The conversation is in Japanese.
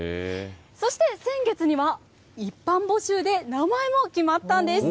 そして、先月には一般募集で名前も決まったんです。